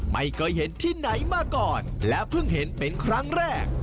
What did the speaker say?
ไม่เคยเห็นที่ไหนมาก่อนและเพิ่งเห็นเป็นครั้งแรก